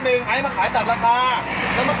มึงไปบอกว่าไอซ์เกรงใจแล้วสักนิดนึง